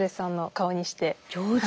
上手！